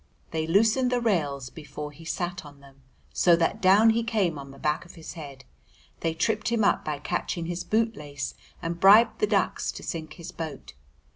They loosened the rails before he sat on them, so that down he came on the back of his head; they tripped him up by catching his boot lace and bribed the ducks to sink his boat.